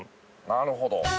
なるほど。